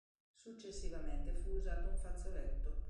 Successivamente fu usato un fazzoletto.